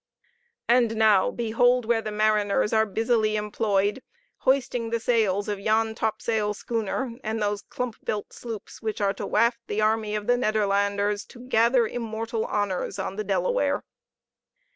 And now behold where the mariners are busily employed, hoisting the sails of yon topsail schooner and those clump built sloops which are to waft the army of the Nederlanders to gather immortal honors on the Delaware!